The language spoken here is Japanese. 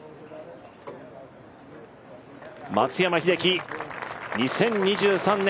松山英樹、２０２３年